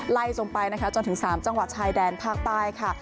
ทรงไปนะคะจนถึง๓จังหวัดชายแดนภาคใต้ค่ะ